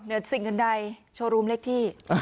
เหนือสินกันใดโชว์รูมเล็กที่